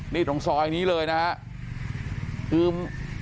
นี่ตรงซอยนี้เลยนะฮะ